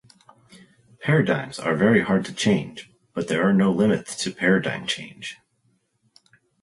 Paradigms are very hard to change, but there are no limits to paradigm change.